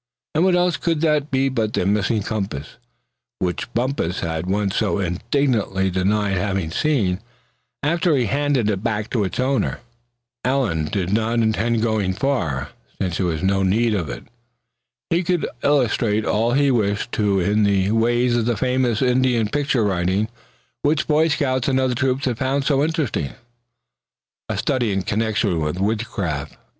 And what else could that be but the missing compass, which Bumpus had once so indignantly denied having seen, after he handed it back to its owner? Allan did not intend going far, since there was no need of it. He could illustrate all he wished to in the way of the famous Indian picture writing, which Boy Scouts in other troops had found so interesting a study in connection with woodcraft.